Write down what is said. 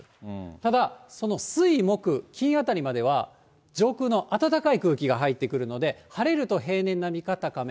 ただその水、木、金あたりまでは、上空の暖かい空気が入ってくるので、晴れると平年並みか高め。